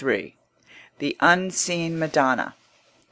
The Unseen Madonna.